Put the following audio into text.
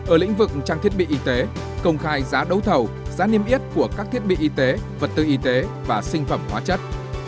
ở lĩnh vực trang thiết bị y tế công khai giá đấu thầu giá niêm yết của các thiết bị y tế vật tư y tế và sinh phẩm hóa chất